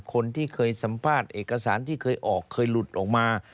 คนที่เคยสัมภาษณ์เอกสารที่เคยออกเคยหลุดออกมา